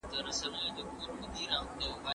تاسو به د یو نیک سیرته انسان په توګه اوسئ.